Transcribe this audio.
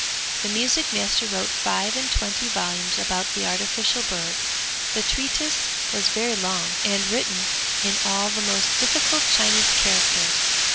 The music master wrote five and twenty volumes about the artificial bird; the treatise was very long and written in all the most difficult Chinese characters.